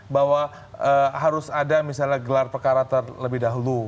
bahwa harus ada misalnya gelar pekarater lebih dahulu